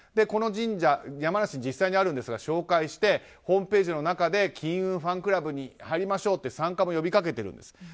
この神社、山梨に実際にあるんですが紹介してホームページの中で金運ファンクラブに入りましょうと参加も呼び掛けているんです。